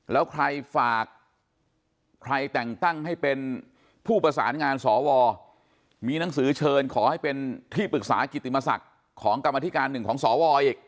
แล้วใครฝากใครแต่งตั้งให้เป็นผู้ประสานงานสวมีหนังสือเชิญขอให้เป็นที่ปรึกษากิติมศักดิ์ของกรรมธิการหนึ่งของสวอีก